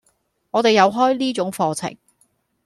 我哋有開呢種課程